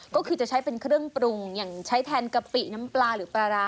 ก็คือจะใช้เป็นเครื่องปรุงอย่างใช้แทนกะปิน้ำปลาหรือปลาร้า